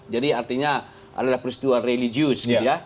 jadi artinya adalah peristiwa religius gitu ya